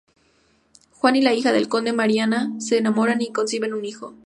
Juan y la hija del conde, Mariana, se enamoran y conciben un hijo.